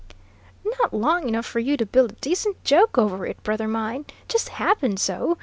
"Not long enough for you to build a decent joke over it, brother mine. Just happened so.